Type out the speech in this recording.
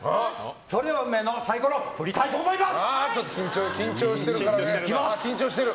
それでは運命のサイコロ振りたいと思います！